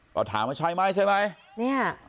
ก็ถามว่าใช่ไหมใช่ไหมเนี่ย